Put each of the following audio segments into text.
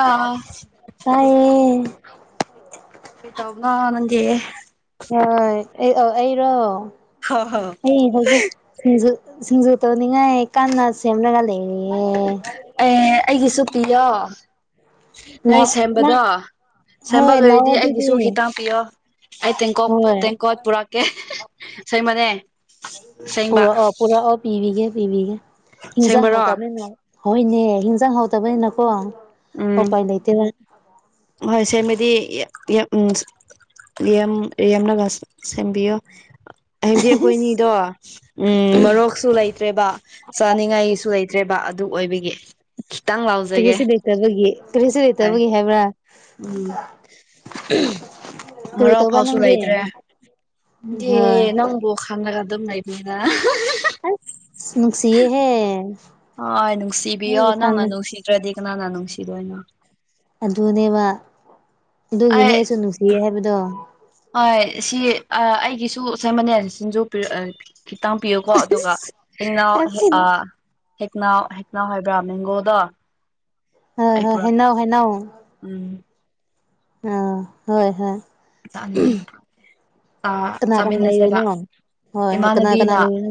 ꯑꯥ ꯀꯥꯏꯌꯦ ꯇꯥꯎꯅ ꯅꯪꯒꯦ ꯍ ꯑꯩꯔꯣ ꯍ ꯍꯣ ꯑꯩ ꯍꯧꯖꯤꯛ ꯁꯤꯡꯖꯨ ꯁꯤꯡꯖꯨ ꯇꯧꯅꯤꯉꯥꯢ ꯀꯟꯅꯥ ꯁꯦꯝꯃꯒ ꯂꯩꯅꯤ ꯑꯦ ꯑꯩꯒꯤꯁꯨ ꯄꯤꯌꯣ ꯅꯣꯏ ꯂꯥꯛ ꯅꯪ ꯁꯦꯝꯕꯗꯣ ꯁꯦꯝꯕ ꯍꯣꯏ ꯂꯥꯛꯑꯣ ꯂꯣꯏꯔꯗꯤ ꯑꯗꯨꯗꯤ ꯑꯩꯒꯤꯁꯨ ꯈꯤꯇꯪ ꯄꯤꯌꯣ ꯑꯩ ꯇꯦꯡꯀꯣꯛ ꯍꯣꯏ ꯇꯦꯡꯀꯣꯠ ꯄꯨꯔꯛꯀꯦ ꯁꯦꯡꯕꯅꯦ ꯁꯦꯡꯕ ꯄꯨꯔꯥ ꯑꯣ ꯄꯤꯕꯤꯒꯦ ꯄꯤꯕꯤꯒꯦ ꯏꯟꯖꯥꯡ ꯑꯁꯦꯡꯕꯔꯣ ꯍꯥꯎꯇꯕꯅꯤꯅ ꯍꯣꯏꯅꯦ ꯍꯤꯟꯖꯥꯡ ꯍꯇꯕꯅꯤꯅꯀꯣ ꯎꯝ ꯎꯄꯥꯏ ꯂꯩꯇꯦꯕ ꯍꯣꯏ ꯁꯦꯝꯃꯤꯗꯤ ꯎꯝ ꯌꯦꯡꯂꯒꯁꯦꯝꯕꯤꯌꯣ ꯍꯥꯏꯕꯗꯤ ꯑꯩꯈꯣꯏꯅꯤꯗꯣ ꯎꯝ ꯃꯔꯣꯛꯁꯨ ꯂꯩꯇ꯭ꯔꯦꯕ ꯆꯥꯅꯤꯡꯉꯥꯏꯒꯤꯁꯨ ꯂꯩꯇ꯭ꯔꯦꯕ ꯑꯗꯨ ꯑꯣꯏꯕꯒꯤ ꯈꯤꯇꯪ ꯂꯥꯎꯖꯒꯦ ꯀꯔꯤꯁꯨ ꯂꯩꯇꯕꯒꯤ ꯀꯔꯤꯁꯨ ꯍꯥꯏ ꯂꯩꯇꯕꯒꯤ ꯍꯥꯏꯕ꯭ꯔꯥ ꯎꯝ ꯎ ꯃꯔꯣꯛꯐꯥꯎꯁꯨ ꯂꯩꯇ꯭ꯔꯦ ꯍꯥꯏꯗꯤ ꯍꯣꯏ ꯅꯪꯕꯨ ꯈꯪꯅꯒꯗ ꯂꯩ ꯄꯗ ꯑꯁ ꯅꯨꯡꯁꯤꯌꯦꯍꯦ ꯑ ꯅꯨꯡꯁꯤꯕꯤ ꯅꯣꯏ ꯑꯣ ꯅꯪꯅ ꯎꯁꯥꯅ ꯅꯨꯡꯁꯤ ꯅꯠꯇ꯭ꯔꯗꯤ ꯀꯅꯥꯅ ꯅꯨꯡꯁꯤꯗꯣꯏꯅꯣ ꯑꯗꯨꯅꯦꯕ ꯑꯗꯨꯒꯤꯅꯦ ꯑꯩ ꯑꯩꯁꯨ ꯅꯨꯡꯁꯤꯌꯦ ꯍꯥꯏꯕꯗꯣ ꯍꯣꯏ ꯁꯤ ꯑꯩꯒꯤꯁꯨ ꯁꯃꯅꯦꯜꯁꯤꯡꯁꯨ ꯈꯤꯇꯪ ꯄꯤꯌꯨꯀꯣ ꯑꯗꯨꯒ ꯏꯅꯥꯎ ꯍꯣꯏ ꯍꯦꯛꯅꯥꯎ ꯍꯦꯛꯅꯥꯎ ꯍꯥꯏꯕ꯭ꯔꯥ ꯃꯦꯡꯒꯣꯗꯣ ꯍꯣꯏ ꯑꯩ ꯍꯣꯏ ꯄꯨꯔꯛꯀꯦ ꯍꯩꯅꯧ ꯍꯩꯅꯧ ꯎꯝ ꯑ ꯍꯣꯏ ꯍꯣꯏ [unintelligible] ꯀꯅꯥ ꯀꯅꯥ ꯆꯥꯃꯤꯟꯅꯁꯦꯕ ꯂꯩꯔꯤꯅꯣ ꯍꯣꯏ ꯀꯅꯥ ꯀꯅꯥ ꯏꯃꯥꯟꯅꯕꯤꯅ ꯂꯩꯔꯤꯅꯣ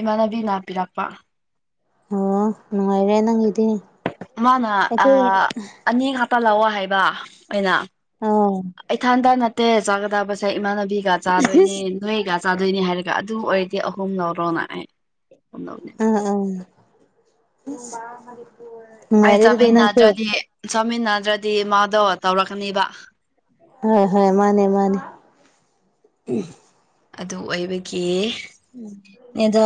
ꯏꯃꯥꯟꯅꯕꯤꯅ ꯄꯤꯔꯛꯄ ꯑꯣ ꯅꯨꯡꯉꯥꯏꯔꯦ ꯅꯪꯒꯤꯗꯤ ꯃꯥꯅ ꯑꯩꯈꯣꯏ ꯑꯅꯤ ꯍꯥꯞꯇ ꯂꯥꯛꯑꯣ ꯍꯥꯏꯕ ꯑꯩꯅ ꯑꯥ ꯑꯩ ꯊꯥꯟꯗ ꯅꯠꯇꯦ ꯆꯥꯒꯗꯕꯁꯦ ꯏꯃꯥꯟꯅꯕꯤꯒ ꯆꯥꯗꯣꯏꯅꯦ ꯅꯣꯏꯒ ꯆꯥꯗꯣꯏꯅꯦ ꯍꯥꯏꯔꯒ ꯑꯗꯨ ꯑꯣꯏꯔꯗꯤ ꯑꯍꯨꯝ ꯂꯧꯔꯣꯅꯑ ꯑꯍꯨꯝ ꯂꯧꯅꯦꯕ ꯎꯝ ꯎꯝ ꯑꯩ ꯆꯥꯃꯤꯟꯅꯗ꯭ꯔꯗꯤ ꯆꯠꯃꯤꯟꯅꯗ꯭ꯔꯗꯤ ꯃꯥꯗꯣ ꯇꯧꯔꯛꯀꯅꯤꯕ ꯍꯣꯏ ꯍꯣꯏ ꯃꯥꯅꯦ ꯃꯥꯅꯦ ꯑꯗꯨ ꯑꯣꯏꯕꯒꯤ ꯅꯦꯗꯥ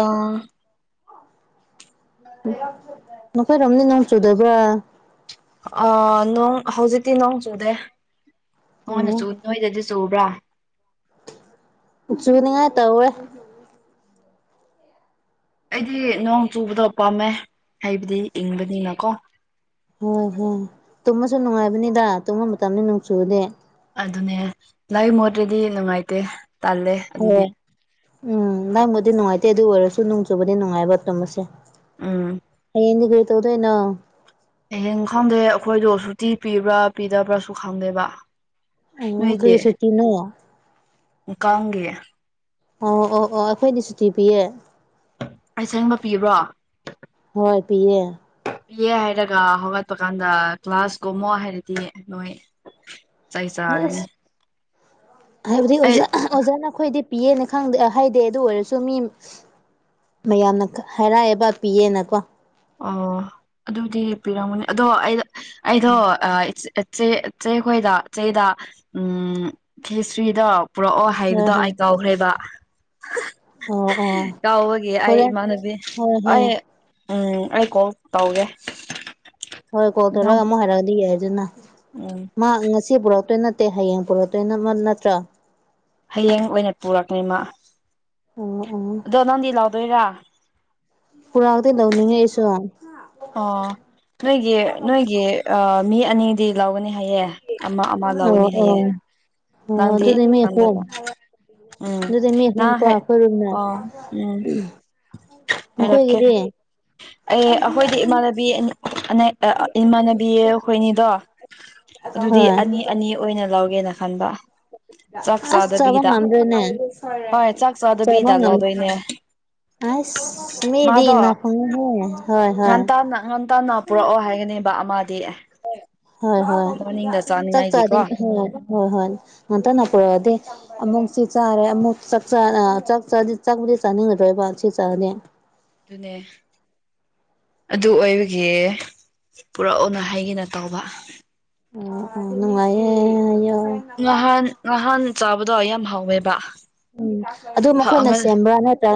ꯅꯣꯏꯔꯣꯝꯗꯤ ꯅꯣꯡ ꯆꯨꯗꯕ꯭ꯔꯥ ꯑ ꯅꯣꯡ ꯍꯧꯖꯤꯛꯇꯤ ꯅꯣꯡ ꯆꯨꯗꯦ ꯅꯉꯣꯟꯅ ꯑꯣ ꯆꯨ ꯅꯣꯏꯗꯗꯤ ꯆꯨꯕ꯭ꯔꯥ ꯆꯨꯅꯤꯉꯥꯏ ꯇꯧꯋꯦ ꯑꯩꯗꯤ ꯅꯣꯡ ꯆꯨꯕꯗꯣ ꯄꯥꯝꯃꯦ ꯍꯥꯢꯕꯗꯤ ꯏꯪꯕꯅꯤꯅꯀꯣ ꯍꯣꯏ ꯍꯣꯏ ꯇꯨꯝꯃꯁꯨ ꯅꯨꯡꯉꯥꯏꯕꯅꯤꯗ ꯇꯨꯝꯕ ꯃꯇꯝꯅꯤ ꯅꯣꯡ ꯆꯨꯕꯗꯤ ꯑꯗꯨꯅꯦ ꯂꯥꯏ ꯃꯣꯠꯇ꯭ꯔꯗꯤ ꯅꯨꯡꯉꯥꯏꯇꯦ ꯇꯥꯜꯂꯦ ꯍꯣꯏ ꯎꯝ ꯅꯪꯕꯨꯗꯤ ꯅꯨꯡꯉꯥꯏꯇꯦ ꯑꯗꯨ ꯑꯣꯏꯔꯁꯨ ꯅꯣꯡ ꯆꯨꯕꯗꯤ ꯅꯨꯡꯉꯥꯏꯕ ꯇꯨꯝꯕꯁꯦ ꯎꯪ ꯅꯪꯗꯤ ꯀꯩ ꯇꯧꯗꯣꯢꯅꯣ ꯍꯌꯦꯡ ꯈꯪꯗꯦ ꯑꯩꯈꯣꯏꯗꯣ ꯁꯨꯇꯤ ꯄꯤꯕ꯭ꯔꯥ ꯄꯤꯗꯕ꯭ꯔꯥꯁꯨ ꯈꯪꯗꯦꯕ ꯑꯣ ꯅꯣꯏꯗꯤ ꯀ꯭ꯔꯤꯁꯨꯇꯤꯅꯣ [unintelligible] ꯑꯣ ꯑꯣ ꯑꯣ ꯑꯩꯈꯣꯏꯗꯤ ꯁꯨꯇꯤ ꯄꯤꯌꯦ ꯑꯁꯦꯡꯕ ꯄꯤꯕ꯭ꯔꯣ ꯍꯣꯏ ꯄꯤꯌꯦ ꯑꯦ ꯍꯥꯏꯔꯒ ꯍꯧꯒꯠꯄ ꯀꯥꯟꯗ ꯀ꯭ꯂꯥꯁ ꯀꯨꯝꯃꯣ ꯍꯥꯏꯔꯗꯤ ꯅꯣꯏ ꯆꯥꯏ ꯆꯥꯔꯅꯤ ꯍꯥꯏꯕꯗꯤꯖ ꯑꯣꯖꯥ ꯅꯈꯣꯏꯗꯤ ꯄꯤꯌꯦꯅ ꯈꯗꯦ ꯍꯥꯏꯗꯦ ꯑꯗꯨ ꯑꯣꯏꯔꯁꯨ ꯃꯤ ꯃꯌꯥꯝꯅ ꯍꯥꯏꯔꯥꯏꯑꯦꯕ ꯄꯤꯌꯦꯅꯀꯣ ꯑꯣ ꯑꯗꯨꯗꯤ ꯄꯤꯔꯝꯃꯅꯤ ꯑꯗꯣ ꯑꯩꯗꯣ ꯏ [unintelligible] ꯄꯨꯔꯛꯑꯣ ꯍꯣꯏ ꯍꯥꯏꯕꯗꯣ ꯍꯣꯏ ꯑꯩ ꯀꯥꯎꯈ꯭ꯔꯦꯕ ꯑꯣ ꯑꯣ ꯀꯥꯎꯕꯒꯤ ꯑꯩ ꯍꯣꯔꯦꯟ ꯏꯃꯥꯟꯅꯕꯤ ꯍꯣꯏ ꯍꯣꯏ ꯑꯩ ꯎꯝ ꯑꯩ ꯀꯣꯜ ꯇꯧꯒꯦ ꯍꯣꯏ ꯀꯣꯜ ꯅꯪ ꯇꯧꯔꯒ ꯑꯃꯨꯛ ꯍꯥꯏꯔꯛꯑꯗꯤ ꯌꯥꯏꯗꯅ ꯎꯝ ꯃꯥ ꯉꯁꯤ ꯄꯨꯔꯛꯇꯣꯏ ꯅꯠꯇꯦ ꯍꯌꯦꯡ ꯄꯨꯔꯛꯇꯣꯏ ꯅꯠꯇ꯭ꯔꯥ ꯍꯌꯦꯡ ꯑꯣꯏꯅ ꯄꯨꯔꯛꯅꯤꯃꯥ ꯑꯣ ꯑꯣꯥ ꯑꯗꯣ ꯅꯪꯗꯤ ꯂꯥꯎꯗꯣꯏꯔꯥ ꯄꯨꯔꯥꯒꯗꯤ ꯂꯧꯅꯤꯡꯉꯦ ꯑꯩꯁꯨ ꯑꯣ ꯅꯣꯏꯒꯤ ꯅꯣꯏꯒꯤ ꯃꯤ ꯑꯅꯤꯗꯤ ꯂꯧꯒꯅꯤ ꯍꯥꯏꯌꯦ ꯑꯃ ꯑꯃ ꯂꯧꯎꯅꯤ ꯍꯥꯏꯌꯦ ꯑꯣ ꯑꯣ ꯅꯪꯗꯤ ꯑꯗꯨꯅꯦ ꯃꯤ ꯑꯍꯨꯝ ꯈꯪꯗꯕ ꯎꯝ ꯑꯗꯨꯗꯤ ꯃꯤ ꯑꯍꯨꯝ ꯅꯪ ꯀꯣ ꯍꯥꯏ ꯑꯈꯣꯏ ꯔꯨꯝꯅ ꯑꯣ ꯎꯝ ꯅꯈꯣꯏꯒꯤꯗꯤ ꯑꯦ ꯑꯩꯈꯣꯏꯗꯤ ꯏꯃꯥꯟꯅꯕꯤ ꯑꯅꯤ ꯏꯃꯥꯟꯅꯕꯤ ꯑꯩꯈꯣꯏꯅꯤꯗꯣ ꯑꯗꯨꯗꯤ ꯍꯣꯏ ꯑꯅꯤ ꯑꯅꯤ ꯑꯣꯏꯅ ꯂꯧꯒꯦꯅ ꯈꯟꯕ ꯆꯥꯛ ꯑꯁ ꯆꯥꯕ ꯆꯥꯗꯕꯤꯗ ꯉꯝꯗꯔꯅꯦ ꯍꯣꯏ ꯆꯥꯛ ꯆꯥꯕ ꯆꯥꯗꯕꯤꯗ ꯂꯧꯗꯣꯏꯅꯦ ꯉꯝꯗꯔꯅꯦ ꯑꯥꯏꯁ ꯃꯤꯗꯤ ꯃꯥꯗꯣ ꯅꯥ [unintelligible] ꯍꯣꯏ ꯍꯣꯏ [unintelligible] ꯄꯨꯔꯛꯑꯣ ꯍꯥꯏꯒꯅꯦꯕ ꯑꯃꯗꯤ ꯍꯣꯏ ꯍꯣꯏ ꯃꯣꯔꯅꯤꯡꯗ ꯆꯥꯛ ꯆꯥꯅꯤꯡꯉꯥꯏꯒꯤꯀꯣ ꯆꯥꯅꯤꯡ [unintelligible] ꯍꯣꯏ ꯍꯣꯏ ꯉꯟꯇꯥꯅ ꯄꯨꯔꯛꯑꯗꯤ ꯑꯃꯨꯛ ꯁꯤ ꯆꯥꯔꯦ ꯑꯃꯨꯛ ꯆꯛꯆꯥ ꯑ ꯆꯛ ꯆꯥꯗꯤ ꯆꯛꯄꯨꯗꯤ ꯆꯥꯅꯤꯡꯉꯥꯔꯣꯏꯕ ꯁꯤ ꯆꯥꯔꯅꯤ ꯑꯗꯨꯅꯦ ꯑꯗꯨ ꯑꯣꯏꯕꯒꯤ ꯄꯨꯔꯛꯑꯣꯅ ꯍꯩꯒꯦꯅ ꯇꯧꯕ ꯑꯣ ꯅꯨꯡꯉꯥꯏꯌꯦ ꯑ ꯌꯥꯏ ꯉꯍꯥꯟ ꯉꯍꯥꯟ ꯆꯥꯕꯗꯣ ꯌꯥꯝ ꯍꯥꯎꯋꯦꯕ ꯎꯝ ꯑꯗꯨ ꯃꯈꯣꯏꯅ ꯁꯦꯝꯕ꯭ꯔꯥ ꯅꯠꯇ꯭ꯔ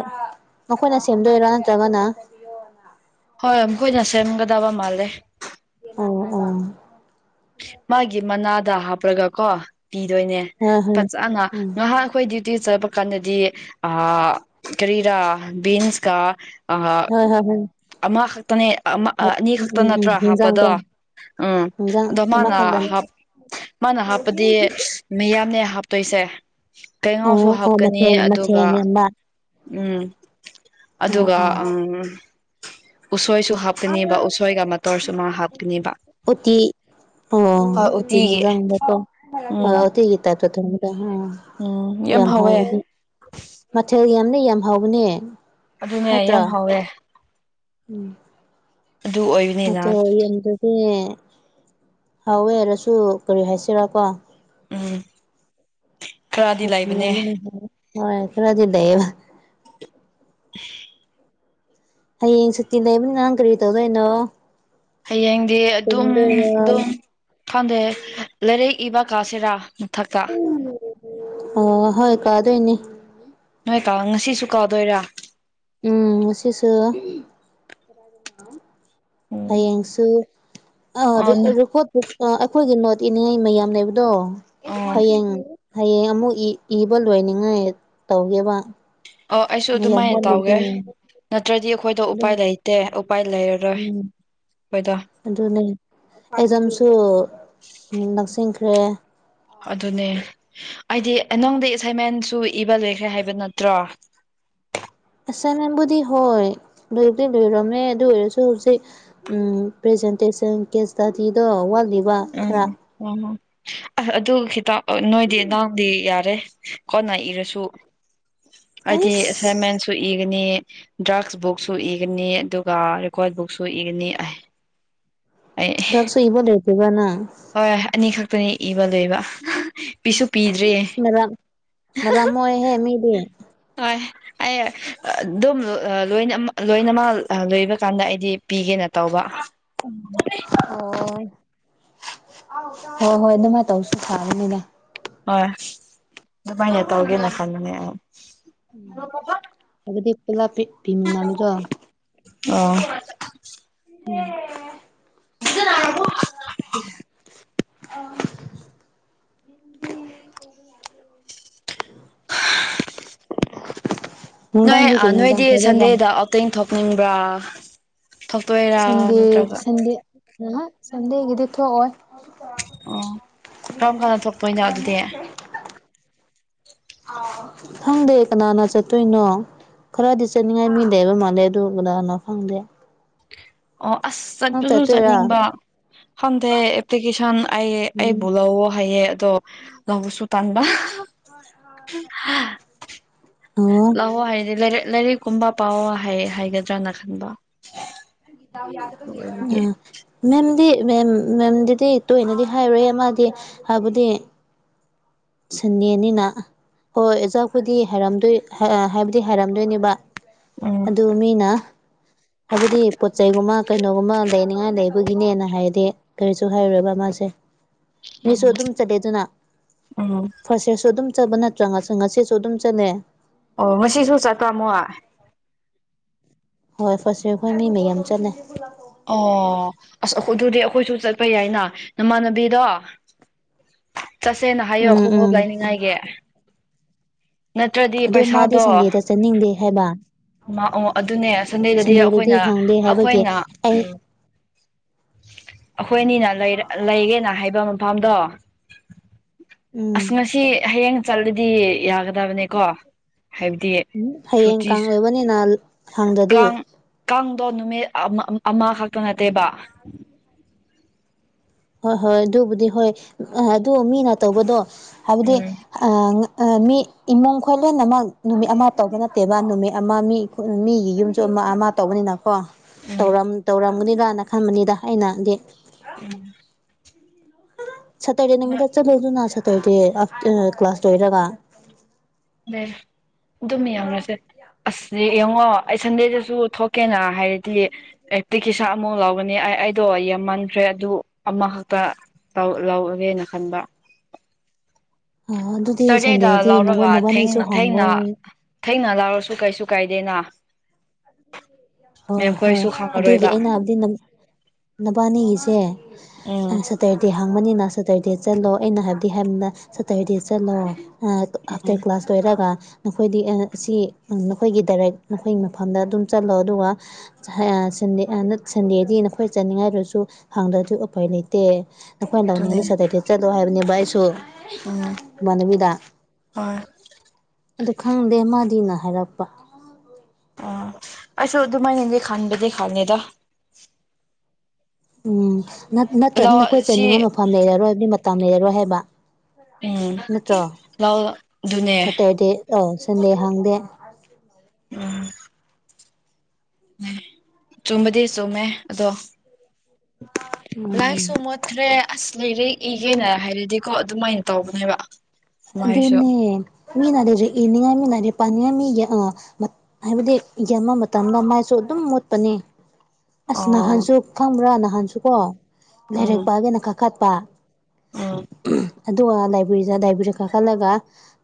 ꯃꯈꯣꯏꯅ ꯁꯦꯝꯗꯣꯏꯔꯥ ꯅꯠꯇ꯭ꯔꯒꯅ ꯍꯣꯏ ꯃꯈꯣꯏꯅ ꯁꯦꯝꯒꯗꯕ ꯃꯥꯜꯂꯦ ꯑꯣ ꯑꯣ ꯃꯥꯒꯤ ꯃꯅꯥꯗ ꯍꯥꯞꯄꯂꯒꯀꯣ ꯄꯤꯗꯣꯏꯅꯦ ꯍꯣꯏ ꯍꯣꯏ ꯐꯖꯅ ꯎꯝ ꯉꯥꯏꯍꯥꯟ ꯑꯩꯈꯣꯏꯗꯤ ꯆꯥꯕ ꯀꯥꯟꯗꯗꯤ ꯑ ꯀꯔꯤꯔꯥ ꯕꯤꯟꯁꯀꯥ [unintelligible] ꯑꯃꯍꯛꯇꯅꯦ ꯑꯃ ꯑ ꯑꯅꯤ ꯎꯝ ꯈꯛꯇ ꯎꯝ ꯅꯠꯇ꯭ꯔꯥ ꯎꯝ ꯍꯤꯟꯖꯥꯡ ꯍꯥꯞꯄꯗꯣ ꯀꯣ ꯎꯝ ꯍꯤꯟꯖꯥꯡ ꯑꯗꯣ ꯃꯥꯅ ꯑꯃꯈꯛꯇꯅꯤ ꯍꯥꯞ ꯃꯥꯅ ꯍꯥꯞꯄꯗꯤ ꯑꯁ ꯃꯤꯌꯥꯝꯅꯦ ꯍꯥꯞꯇꯣꯏꯁꯦ꯫ ꯀꯩꯉꯥꯎꯁꯨ ꯑꯣ ꯑꯣ ꯍꯥꯞꯀꯅꯤ ꯃꯊꯦꯜ ꯑꯗꯨꯒ ꯃꯊꯦꯜ ꯌꯥꯝꯕ ꯎꯝ ꯑꯣ ꯑꯗꯨꯒ ꯑꯣ ꯎꯝ ꯎꯁꯣꯏꯁꯨ ꯍꯥꯞ ꯀꯅꯦꯕ ꯎꯁꯣꯏꯒ ꯃꯇꯣꯔꯁꯨꯃꯥ ꯍꯥꯞꯀꯅꯦꯕ꯫ ꯎꯇꯤ ꯑꯣ ꯍꯣꯏ ꯑꯨꯇꯤ ꯎꯇꯤꯒꯤ ꯅꯤꯡꯖꯪꯕꯗꯣ [unintelligible] ꯑꯨꯇꯤꯒꯤ ꯇꯥꯏꯄꯇ ꯊꯣꯡꯕꯗꯣ ꯍꯥ꯫ ꯑꯣ ꯌꯥꯝ ꯍꯥꯎꯋꯦ꯫ ꯃꯊꯦꯜ ꯌꯥꯝꯅꯦ ꯌꯥꯝ ꯍꯥꯎꯕꯅꯦ ꯑꯗꯨꯅꯦ ꯅꯠꯇ꯭ꯔꯥ ꯌꯥꯝ ꯍꯥꯎꯋꯦ [unintelligible] ꯑꯗꯨ ꯑꯣꯏꯔ [unintelligible] ꯌꯦꯟꯗꯨꯗꯤ ꯍꯥꯎꯋꯦ ꯍꯥꯏꯔꯁꯨ ꯀꯔꯤ ꯍꯥꯏꯁꯤꯔꯀꯣ ꯎꯝ ꯈꯔꯗꯤ ꯃꯊꯦꯜ ꯂꯩꯕꯅꯦ ꯌꯥꯃꯜꯂꯁꯨ ꯍꯣꯏ ꯈꯔꯗꯤ ꯂꯩꯌꯦꯕ ꯍꯌꯦꯡ ꯁꯨꯇꯤ ꯂꯩꯕꯅꯤꯅ ꯅꯪ ꯀꯔꯤ ꯇꯧꯗꯣꯏꯅꯣ꯫ ꯍꯌꯦꯡꯗꯤ ꯑꯗꯨꯝ ꯇꯨꯝꯗꯣꯏꯔꯣ ꯗꯨꯝ꯫ ꯈꯪꯗꯦ ꯂꯥꯏꯔꯤꯛ ꯏꯕ ꯀꯥꯁꯤꯔꯥ ꯃꯊꯥꯛꯇ꯫ [unintelligible] ꯑꯣ ꯍꯣꯏ ꯀꯥꯗꯣꯏꯅꯤ꯫ ꯅꯣꯏ ꯀꯥꯡ ꯉꯁꯤꯁꯨ ꯀꯥꯎꯗꯣꯏꯔ꯫ ꯎꯝ ꯉꯁꯤꯁꯨ ꯎꯝ ꯍꯌꯦꯡꯁꯨ ꯑ ꯑꯣ ꯔꯨꯀꯣ [unintelligible] ꯑꯩꯈꯣꯏꯒꯤ ꯅꯣꯠ ꯏꯅꯤꯉꯥꯏ ꯃꯌꯥꯝ ꯂꯩꯕꯗꯣ [unintelligible] ꯑꯣ ꯍꯌꯦꯡ ꯍꯌꯦꯡ ꯑꯃꯨꯛ ꯏ ꯏꯕ ꯂꯣꯏꯅꯤꯡꯉꯥꯏ ꯇꯧꯒꯦꯕ꯫ ꯑꯣ ꯑꯩꯁꯨ ꯃꯌꯥꯝ ꯑꯗꯨꯃꯥꯏꯅ ꯇꯧꯒꯦ꯫ ꯋꯥꯠꯂꯤꯕꯗꯣ ꯅꯠꯇ꯭ꯔꯗꯤ ꯑꯩꯈꯣꯏꯗꯣ ꯑꯗꯨ ꯎꯄꯥꯏ ꯂꯩꯇꯦ ꯎꯄꯥꯏ ꯂꯩꯔꯥꯔꯣꯏ ꯎꯝ ꯈꯣꯏꯗꯣ꯫ ꯑꯗꯨꯅꯦ ꯑꯦꯖꯝꯁꯨ ꯅꯛꯁꯤꯟꯈ꯭ꯔꯦ꯫ ꯑꯗꯨꯅꯦ ꯑꯩꯗꯤ ꯑꯦ ꯅꯪꯗꯩ ꯑꯦꯁꯥꯏꯟꯃꯦꯟꯁꯨ ꯏꯕ ꯂꯩꯈ꯭ꯔꯦ ꯍꯥꯏꯕ ꯅꯠꯇ꯭ꯔꯣ꯫ ꯑꯁꯥꯏꯟꯃꯦꯟꯕꯨꯗꯤ ꯍꯣꯏ ꯂꯣꯏꯕꯨꯗꯤ ꯂꯣꯏꯔꯝꯃꯦ ꯑꯗꯨ ꯑꯣꯏꯔꯁꯨ ꯍꯨꯖꯤꯛ ꯎꯝ ꯄꯔꯦꯖꯦꯟꯇꯦꯁꯟ ꯀꯦꯁ ꯁ꯭ꯇꯗꯤꯗꯣ ꯋꯥꯠꯂꯤ [unintelligible] ꯑ ꯑꯗꯨ ꯈꯤꯇ ꯅꯣꯏꯗꯤ ꯅꯥꯎꯗꯤ ꯌꯥꯔꯦ ꯀꯣꯟꯅ ꯏꯔꯁꯨ꯫ ꯑꯩꯗꯤ ꯑꯦꯁ ꯑꯦꯁꯥꯏꯃꯦꯟ ꯁꯨ ꯏꯒꯅꯤ ꯗ꯭ꯔꯛꯁ ꯕꯨꯛꯁꯁꯨ ꯏꯒꯅꯤ ꯑꯗꯨꯒ ꯔꯦꯀꯣꯔꯠ ꯕꯨꯛꯁꯁꯨ ꯏꯒꯅꯤ ꯑꯥꯏ [inaudible] ꯗ꯭ꯔꯛꯁꯁꯨ ꯏꯕ ꯂꯣꯏꯗ꯭ꯔꯤꯕ ꯅꯪ꯫ ꯍꯣꯏ ꯑꯅꯤ ꯈꯛꯇꯅꯤ ꯏꯕ ꯂꯣꯏꯕ [unintelligible] ꯄꯤꯁꯨ ꯄꯤ ꯏꯁ ꯃꯔꯝ ꯃꯔꯝ ꯃꯣꯛꯌꯦꯍꯦ ꯃꯤꯗꯤ ꯍꯣꯏ꯫ ꯑꯩ ꯑꯗꯨꯝ ꯑ ꯂꯣꯏꯅ ꯂꯣꯏꯅꯃꯛ ꯂꯣꯏꯕ ꯀꯥꯟꯗ ꯑꯩꯗꯤ ꯄꯤꯒꯦꯅ ꯇꯧꯕ꯫ ꯑꯣ ꯍꯣꯢ ꯍꯣꯏ ꯍꯣꯏ ꯑꯗꯨꯃꯥꯏꯅ ꯇꯧꯁꯨ ꯐꯥꯕꯅꯤꯅꯦ꯫ ꯍꯣꯏ ꯑꯗꯨꯃꯥꯏꯅ ꯇꯧꯒꯦꯅ ꯈꯟꯕꯅꯦ ꯍꯥꯏꯕꯗꯤ ꯄꯨꯂꯄꯤ ꯄꯤꯃꯤꯟꯅꯕꯗꯣ ꯑꯣ [unintelligible] ꯎꯝ [unintelligible] ꯁꯤꯖꯤꯟꯅꯔꯕꯣ ꯅꯪ ꯀꯥꯏ ꯂꯩꯒꯦ꯫ ꯑ [unintelligible] [unintelligible] ꯅꯣꯏ ꯅꯨꯡꯗꯥꯡꯗꯤ ꯀꯔꯤ ꯌꯦꯟꯖꯥꯡ ꯅꯣꯏꯗꯤ ꯊꯣꯡꯗꯣꯏꯕ ꯁꯟꯗꯦꯗ ꯑꯥꯎꯇꯤꯡ ꯊꯣꯛꯅꯤꯡꯕ꯭ꯔ꯫ ꯁꯟꯗꯦ ꯁꯟꯗꯦ ꯑꯨꯝꯍꯨ ꯁꯟꯗꯦꯒꯤꯗꯤ ꯊꯣꯛꯑꯣꯏ ꯑꯣ ꯀꯔꯝ ꯀꯥꯟꯗ ꯊꯣꯛꯇꯣꯏꯅꯣ ꯑꯗꯨꯗꯤ꯫ ꯈꯪꯗꯦ ꯀꯅꯥꯅ ꯆꯠꯇꯣꯏꯅꯣ꯫ ꯈꯔꯗꯤ ꯆꯠꯅꯤꯡꯉꯥꯏ ꯃꯤ ꯂꯩꯕ ꯃꯥꯜꯂꯦ ꯑꯗꯨ ꯀꯅꯥꯅꯣ ꯈꯪꯗꯦ ꯑꯣ ꯑꯁ ꯅꯪ ꯆꯠꯄꯁꯨ ꯆꯠꯇꯣꯏꯔꯥ ꯆꯠꯅꯤꯡꯕ ꯈꯪꯗꯦ ꯑꯦꯄ꯭ꯂꯤꯀꯦꯁꯟ ꯑꯩ ꯎꯝ ꯑꯩꯕꯨ ꯂꯧꯑꯣ ꯍꯥꯏꯌꯦ ꯑꯗꯣ ꯂꯧꯕꯁꯨ ꯇꯟꯕ ꯑꯣ ꯂꯧꯑꯣ ꯍꯥꯏꯗꯤ ꯂꯥꯏꯔꯤꯛ ꯀꯨꯝꯕ ꯄꯥꯎ ꯍꯥꯏꯒꯗ꯭ꯔꯥꯅ ꯈꯟꯕ ꯗꯥꯎ ꯑꯗꯨ ꯌꯥꯗꯕꯒꯤ ꯑꯣꯏꯕꯒꯤ ꯑꯣꯏꯔꯝꯅꯤ ꯃꯦꯝꯗꯤ ꯃꯦꯝ ꯃꯦꯝꯗꯨꯗꯤ ꯇꯣꯏꯅꯗꯤ ꯍꯥꯏꯔꯣꯌꯦ ꯃꯥꯗꯤ ꯍꯥꯏꯕꯗꯤ ꯁꯟꯗꯦꯅꯤꯅ ꯍꯣꯏ ꯑꯣꯖꯕꯨꯗꯤ ꯍꯥꯏꯔꯝꯗꯣꯏ ꯍꯥꯏꯕꯨꯗꯤ ꯍꯥꯏꯔꯝꯗꯣꯏꯅꯦꯕ꯫ ꯎꯝ ꯑꯗꯨ ꯃꯤꯅ ꯍꯥꯏꯕꯗꯤ ꯄꯣꯠ ꯆꯩꯒꯨꯝꯕ꯫ ꯀꯩꯅꯣꯝꯃ ꯂꯩꯅꯤꯡꯉꯥꯏ ꯂꯩꯕꯒꯤꯅꯦꯅ ꯍꯥꯏꯗꯤ ꯀꯔꯤꯁꯨ ꯍꯥꯏꯔꯣꯏꯕ ꯃꯥꯁꯦ꯫ ꯃꯤꯁꯨ ꯎꯝ ꯐꯥꯁꯦꯁꯁꯨ [inaudible] ꯑꯗꯨꯝ ꯆꯠꯄ ꯅꯠꯇ꯭ꯔ ꯉꯁꯤꯁꯨ ꯑꯗꯨꯝ ꯆꯠꯂꯦ꯫ ꯑꯣ ꯉꯁꯤꯁꯨ ꯆꯠꯄ ꯃꯣꯏ ꯍꯣꯏ ꯐꯥꯁꯢ ꯈꯣꯏ ꯃꯤ ꯃꯌꯥꯝ ꯆꯠꯂꯦ ꯑꯣ ꯑꯁ ꯑꯗꯨꯗꯤ ꯑꯩꯈꯣꯏꯁꯨ ꯆꯠꯄ ꯌꯥꯏꯅ ꯅꯃꯥꯟꯅꯕꯤꯗꯣ ꯆꯠꯁꯦꯅ ꯍꯥꯏꯌꯣ ꯎꯝ ꯈꯣꯡꯎꯞ ꯎꯝ ꯂꯩ ꯅꯤꯡꯉꯥꯏꯒꯤ ꯅꯠꯇ꯭ꯔꯗꯤ ꯑꯗꯣ ꯃꯥꯗꯤ ꯄꯩꯁꯥꯗꯣ ꯁꯟꯗꯦꯗ ꯆꯠꯅꯤꯡꯗꯦ ꯍꯥꯏꯕ ꯃꯥ ꯑꯣ ꯑꯗꯨꯅꯦ ꯁꯟꯗꯦꯗꯗꯤ ꯑꯩꯈꯣꯏꯅ ꯍꯪꯗꯦ ꯍꯥꯏꯕꯒꯤ ꯑꯩꯈꯣꯏꯅ ꯑꯩ ꯎꯝ ꯑꯩꯈꯣꯏꯅꯤꯅ ꯂꯩꯒꯦꯅ ꯍꯥꯏꯕ ꯃꯐꯝꯗꯣ ꯎꯝ ꯃꯁꯤ ꯍꯌꯦꯡ ꯆꯠꯂꯗꯤ ꯌꯥꯒꯗ꯭ꯔ ꯌꯥꯗꯕꯅꯤꯀꯣ ꯍꯥꯏꯕꯗꯤ ꯍꯌꯦꯡ ꯁꯨꯇꯤ ꯀꯥꯡ ꯁꯨ ꯑꯣꯏꯕꯅꯤꯅ ꯍꯥꯡꯗ꯭ꯔꯗꯤ ꯀꯥꯡ ꯀꯥꯡꯗꯣ ꯅꯨꯃꯤꯠ ꯑꯃꯈꯛꯇ ꯅꯠꯇꯦꯕ ꯍꯣꯏ ꯍꯣꯏ ꯑꯗꯨꯕꯨꯗꯤ ꯍꯣꯏ ꯑꯗꯨ ꯃꯤꯅ ꯇꯧꯕꯗꯣ ꯍꯥꯏꯕꯗꯤ ꯎꯝ ꯃꯤ ꯏꯃꯨꯡ ꯈꯣꯏꯂꯣꯢꯅꯃꯛ ꯅꯨꯃꯤꯠ ꯑꯃ ꯇꯧꯕ ꯅꯠꯇꯦꯕ ꯅꯨꯃꯤꯠ ꯑꯃ ꯃꯤ ꯃꯤꯒꯤ ꯌꯨꯝꯁꯨ ꯑꯃ ꯑꯃ ꯇꯧꯕꯅꯤꯅ ꯒꯣ ꯎꯝ ꯇꯧꯔꯝ ꯇꯧꯔꯝꯒꯅꯤꯔꯅ ꯈꯟꯕꯅꯤꯗ ꯑꯩꯅꯗꯤ ꯎꯝ ꯁꯇ꯭ꯔꯗꯦ ꯅꯨꯃꯤꯠꯇ ꯆꯠꯂꯨꯗꯅ ꯁꯇ꯭ꯔꯗꯦ ꯑꯥꯞꯇ꯭ꯔ ꯀ꯭ꯂꯥꯁ ꯂꯣꯏꯔꯒ ꯑ [inaudible] ꯑꯗꯨꯝ ꯌꯦꯡꯉꯥꯁꯦ ꯑꯁ ꯌꯦꯡꯉꯣ ꯑꯩ ꯁꯟꯗꯦꯗꯁꯨ ꯊꯣꯛꯀꯦꯅ ꯍꯥꯏꯔ ꯍꯥꯏꯗꯤ ꯑꯦꯄ꯭ꯂꯤꯀꯦꯁꯥ ꯑꯃꯨꯛ ꯂꯧꯒꯅꯤ ꯑꯩ ꯑꯩꯗꯣ ꯌꯥꯝꯃꯟꯈ꯭ꯔꯦ ꯑꯗꯨ ꯑꯃꯈꯛꯇ ꯂꯧꯒꯅꯤꯅ ꯈꯟꯕ ꯑ ꯑꯗꯨꯗꯤ ꯁꯇꯔꯗꯦꯗ ꯁꯟꯗꯦꯗꯤ ꯅꯉꯣꯟ ꯂꯧꯔꯒ ꯅꯕꯥꯟꯅꯤꯁꯨ ꯊꯦꯡꯅ ꯍꯪꯉꯣ ꯊꯦꯡꯅ ꯊꯦꯡꯅ ꯂꯥꯎꯔꯁꯨ ꯀꯩꯁꯨ ꯀꯥꯏꯗꯦꯅ ꯍꯣꯏ ꯍꯣꯏ ꯃꯦꯝꯈꯣꯏꯁꯨ ꯑꯗꯨꯒꯤ ꯈꯪꯉꯔꯣꯏꯕ ꯑꯩꯅ ꯍꯥꯏꯕꯗꯤ ꯅꯪ ꯅꯕꯥꯅꯤꯒꯤꯁꯦ ꯎꯝ ꯑꯅꯥꯁꯛ ꯇꯔꯗꯦ ꯍꯥꯡꯕꯅꯤꯅ ꯁꯇꯔꯗꯦ ꯆꯠꯂꯣ ꯑꯩꯅ ꯍꯥꯏꯕꯗꯤ ꯍꯥꯏꯕꯅ ꯁꯇꯔꯗꯦ ꯆꯠꯂꯣ ꯑꯥ ꯑꯞꯇꯔ ꯀ꯭ꯂꯥꯁ ꯇꯣꯏꯔꯒ ꯅꯈꯣꯏꯗꯤ ꯑꯥ ꯑꯁꯤ ꯎꯡ ꯅꯈꯣꯏꯒꯤ ꯗꯥꯏꯔꯦꯛ ꯅꯈꯣꯏꯒꯤ ꯃꯐꯝꯗ ꯑꯗꯨꯝ ꯆꯠꯂꯣ ꯑꯗꯨꯒ ꯁꯌꯥ ꯁꯟꯗꯦ ꯑ ꯅꯠ ꯁꯟꯗꯦꯗꯤ ꯅꯈꯣꯏ ꯆꯠꯅꯤꯡꯉꯥꯏꯔꯁꯨ ꯍꯪꯗ꯭ꯔꯥ ꯁꯨ ꯎꯄꯥꯏ ꯂꯩꯇꯦ ꯅꯈꯣꯏꯅ ꯅꯪ [inaudible] ꯑꯗꯨꯅꯦ ꯅꯤꯡꯉꯗ ꯁꯦꯇꯔꯗꯦ ꯆꯠꯂꯣ ꯍꯥꯏꯕꯅꯦꯕ ꯑꯩꯁꯨ ꯎꯝ ꯏꯃꯥꯟꯅꯕꯤꯗ ꯍꯣꯏ ꯑꯗꯨ ꯈꯪꯗꯦ ꯃꯥꯗꯤꯅ ꯍꯥꯏꯔꯛꯄ ꯑ ꯑꯩꯁꯨ ꯑꯗꯨꯗꯨꯃꯥꯏꯅꯗꯤ ꯈꯥꯟꯕꯗꯤ ꯈꯥꯟꯂꯦꯗ ꯎꯝ ꯅꯠꯇ꯭ꯔꯗꯤ ꯂꯧ ꯅꯈꯣꯏ ꯁꯤ ꯆꯠꯅꯤꯡꯉꯥꯏ ꯃꯐꯝ ꯂꯩꯔꯔꯣꯏ ꯍꯥꯏꯕꯗꯤ ꯃꯇꯝ ꯂꯩꯔꯔꯣꯏ ꯍꯥꯏꯕ ꯎꯝ ꯅꯠꯇ꯭ꯔꯣ ꯂꯧ ꯑꯗꯨꯅꯦ ꯁꯇ꯭ꯔꯗꯦ ꯑꯥꯎ ꯁꯟꯗꯦ ꯍꯥꯡꯗꯦ ꯎꯝ ꯆꯨꯝꯕꯗꯤ ꯆꯨꯝꯃꯦ ꯑꯗꯣ ꯎꯝ ꯂꯥꯏꯔꯤꯛꯁꯨ ꯃꯣꯠꯈ꯭ꯔꯦ ꯑꯁ ꯂꯩꯔꯦ ꯏꯒꯦꯅ ꯍꯥꯏꯔꯗꯤꯀꯣ ꯑꯗꯨꯃꯥꯏꯅ ꯇꯧꯕꯅꯦꯕ ꯃꯥꯏꯁꯨ ꯑꯗꯨꯅꯦ ꯃꯤꯅ ꯗꯖꯨ ꯏꯅꯤꯡꯉꯥꯏ ꯃꯤꯅꯔꯦ ꯄꯥꯅꯤꯡꯉꯥꯏ ꯃꯤꯒꯤ ꯑ ꯍꯥꯏꯕꯗꯤ ꯌꯦꯡꯕ ꯃꯇꯝꯗ ꯃꯥꯏꯁꯨ ꯑꯗꯨꯝ ꯃꯣꯠꯄꯅꯤ ꯑꯁ ꯑꯣ ꯅꯍꯥꯟꯁꯨ ꯈꯪꯕ꯭ꯔꯥ ꯅꯍꯥꯟꯁꯨ ꯀꯣ ꯂꯩꯔꯛꯄꯒꯦꯅ ꯀꯥꯈꯠꯄ ꯑꯥ ꯑꯗꯨꯒ ꯂꯥꯏꯕꯦꯔꯤꯗ ꯂꯥꯏꯕ꯭ꯔꯦꯔꯤꯗ ꯀꯥꯈꯠꯂꯒ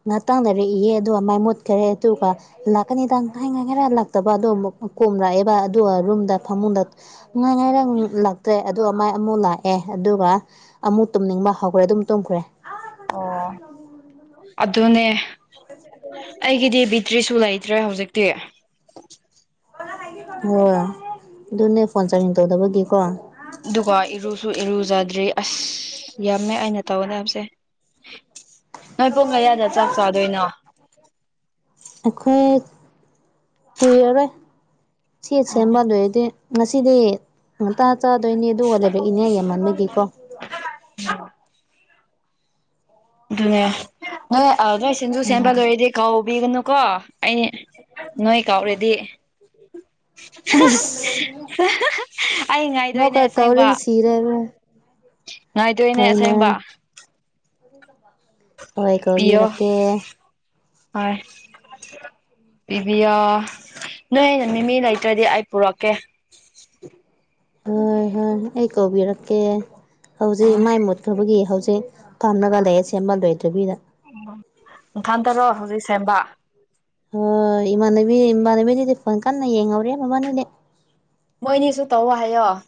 ꯉꯇꯪ ꯂꯩꯔꯛ ꯑꯌꯦ ꯗꯨꯒ ꯃꯥꯏ ꯃꯨꯠꯈ꯭ꯔꯦ ꯇꯨꯀꯥ ꯂꯥꯛꯀꯅꯤꯗ ꯉꯥꯏ ꯉꯥꯏ ꯔ ꯂꯥꯛꯇꯕꯗꯣ ꯑꯃꯨꯛ ꯀꯣꯝꯔꯛꯑꯦꯕ ꯑꯗꯨꯒ ꯔꯨꯝꯗ ꯐꯃꯨꯡꯗ ꯉꯥꯏ ꯉꯥꯏ ꯔ ꯂꯛ ꯇꯦ ꯑꯗꯨ ꯑꯃ ꯃꯥꯏ ꯑꯃꯨꯛ ꯂꯥꯛꯑꯦ ꯑꯗꯨꯒ ꯑꯃꯨꯛ ꯇꯨꯝꯅꯤꯡꯕ ꯍꯧꯈ꯭ꯔꯦ ꯑꯗꯨꯝ ꯇꯨꯝꯈ꯭ꯔꯦ ꯑꯣ [inaudible] ꯑꯗꯨꯅꯦ ꯑꯩꯒꯤꯗꯤ ꯕꯤꯇ꯭ꯔꯤꯁꯨ ꯂꯩꯇ꯭ꯔꯦ ꯍꯧꯖꯤꯛꯇꯤ ꯍꯣꯏ ꯑꯗꯨꯅꯦ ꯐꯣꯟ ꯆꯥꯔꯖꯡ ꯇꯧꯗꯕꯒꯤꯀꯣ ꯑꯗꯨꯒ ꯏꯔꯨꯁꯨ ꯏꯔꯨꯖꯗ꯭ꯔꯤ ꯑꯁ ꯌꯥꯝꯃꯦ ꯑꯩꯅ ꯇꯧꯒꯅꯦ ꯍꯥꯏꯕꯁꯦ ꯅꯣꯏ ꯄꯣꯡ ꯀꯌꯥꯗ ꯆꯥꯛ ꯆꯥꯗꯣꯏꯅꯣ ꯑꯩꯈꯣꯏ ꯀꯨꯏꯔꯔꯣꯏ ꯁꯤ ꯑꯣ ꯁꯦꯝꯕꯗꯣꯏꯗꯤ ꯉꯁꯤꯗꯤ ꯉꯇꯥ ꯆꯥꯗꯣꯏꯅꯤ ꯑꯗꯨ ꯋꯥ ꯂꯩꯔꯛꯏꯅꯥꯏ ꯌꯥꯝꯃꯟꯕꯒꯤꯀꯣ ꯗꯨꯅꯦ ꯅꯣꯏ ꯑꯅꯣꯏ ꯁꯤꯡꯖꯨ ꯁꯦꯝꯕ ꯂꯣꯏꯔꯗꯤ ꯀꯥꯎꯕꯤꯒꯅꯨꯀꯣ ꯑꯩ ꯅꯣꯏ ꯀꯥꯎꯔꯦꯗꯤ ꯑꯩꯁ ꯑꯩ ꯉꯥꯏꯗꯣꯏꯅꯦ ꯉꯧꯀ ꯑꯁꯦꯡꯕ ꯀꯧꯔꯗꯤ ꯁꯤꯔꯦꯕ ꯉꯥꯏꯗꯣꯏꯅꯦ ꯍꯣꯏꯅꯦ ꯑꯁꯦꯡꯕ ꯍꯣꯏ ꯄꯤꯌꯣ ꯀꯧꯕꯤꯔꯛꯀꯦ ꯍꯣꯏ ꯄꯤꯕꯤꯌꯣ ꯅꯣꯏꯅ ꯃꯤꯃꯤ ꯂꯩꯇ꯭ꯔꯗꯤ ꯑꯩ ꯄꯨꯔꯛꯀꯦ ꯍꯣꯏ ꯍꯣꯏ ꯑꯩ ꯀꯧꯕꯤꯔꯛꯀꯦ ꯍꯧꯖꯤꯛ ꯃꯥꯏ ꯃꯨꯠꯈꯕꯒꯤ ꯍꯧꯖꯤꯛ ꯐꯝꯂꯒ ꯂꯩꯌꯦ ꯁꯦꯝꯕꯂꯣꯏꯗꯕꯤꯗ ꯅꯊꯟꯇꯔꯣ ꯍꯧꯖꯤꯛ ꯁꯦꯝꯕ ꯍꯣꯏ ꯏꯃꯥꯟꯅꯕꯤ ꯏꯃꯥꯟꯅꯕꯤꯗꯨꯗꯤ ꯐꯣꯟ ꯀꯟꯅ ꯌꯦꯡꯍꯧꯔꯤ ꯃꯥꯕꯅꯤꯗꯤ ꯃꯣꯏꯅꯤꯁꯨ ꯇꯧꯑꯣ ꯍꯥꯏꯌꯣ